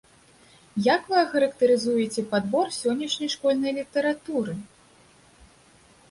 Як вы ахарактарызуеце падбор сённяшняй школьнай літаратуры?